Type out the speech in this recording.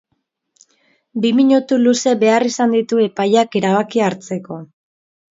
Bi minutu luze behar izan ditu epaileak erabakia hartzeko.